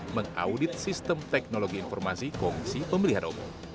mengaudit sistem teknologi informasi komisi pemilihan umum